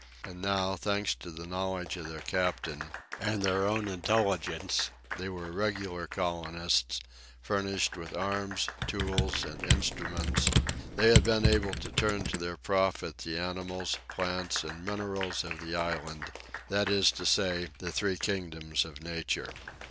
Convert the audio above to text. And now, thanks to the knowledge of their captain, and their own intelligence, they were regular colonists, furnished with arms, tools, and instruments; they had been able to turn to their profit the animals, plants, and minerals of the island, that is to say, the three kingdoms of Nature.